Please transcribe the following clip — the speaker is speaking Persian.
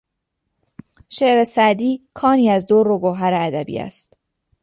شعر سعدی کانی از در و گوهر ادبی است.